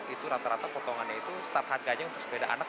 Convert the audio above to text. itu rata rata potongannya itu start harganya untuk sepeda anak